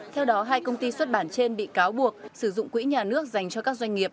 theo đó hai công ty xuất bản trên bị cáo buộc sử dụng quỹ nhà nước dành cho các doanh nghiệp